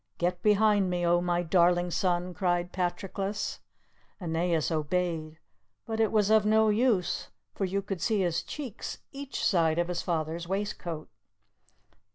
"Get behind me, O my darling son!" cried Patroclus. Aeneas obeyed, but it was of no use; for you could see his cheeks each side his father's waistcoat.